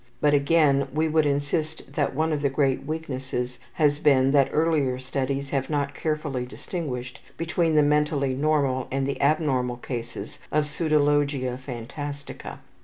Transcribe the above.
But, again, we would insist that one of the great weaknesses has been that earlier studies have not carefully distinguished between the mentally normal and the abnormal cases of pseudologia phantastica.